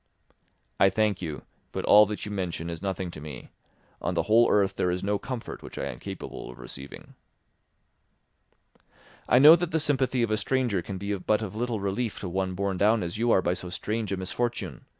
"I thank you, but all that you mention is nothing to me; on the whole earth there is no comfort which I am capable of receiving." "I know that the sympathy of a stranger can be but of little relief to one borne down as you are by so strange a misfortune.